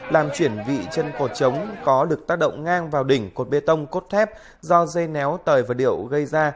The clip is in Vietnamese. làm chuyển vị chân cột trống có lực tác động ngang vào đỉnh cột bê tông cốt thép do dây néo tời và điệu gây ra